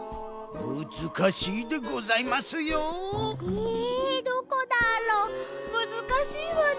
えどこだろ？むずかしいわね。